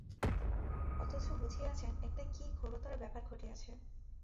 অথচ বুঝিয়াছেন, একটা কী ঘোরতর ব্যাপার ঘটিয়াছে।